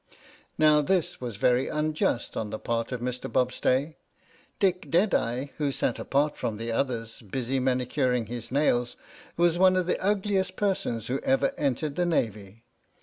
" Now this was very unjust on the part of Mr. Bob stay. Dick Deadeye, who sat apart from the others, busy manicuring his nails, was one of the ugliest persons who ever entered the Navy.